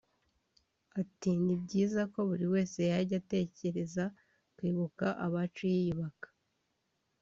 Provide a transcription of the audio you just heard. Ati “Ni byiza ko buri wese yajya atekereza kwibuka abacu yiyubaka